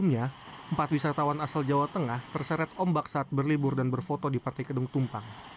sebelumnya empat wisatawan asal jawa tengah terseret ombak saat berlibur dan berfoto di pantai kedung tumpang